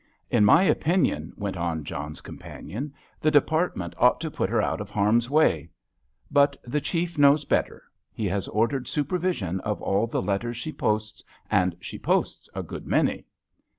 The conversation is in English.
"In my opinion," went on John's companion, "the Department ought to put her out of harm's way. But the Chief knows better. He has ordered supervision of all the letters she posts, and she posts a good many."